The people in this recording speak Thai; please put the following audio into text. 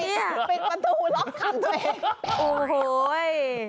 มันต้องหูล็อกขันตัวเอง